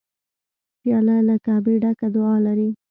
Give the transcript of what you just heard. پیاله له کعبې ډکه دعا لري.